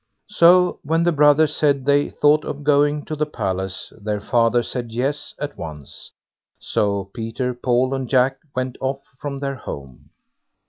So when the brothers said they thought of going to the palace, their father said "yes" at once. So Peter, Paul, and Jack went off from their home.